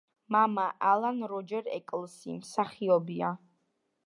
მამა, ალან როჯერ ეკლსი, მსახიობია.